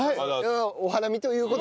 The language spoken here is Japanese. お花見という事で。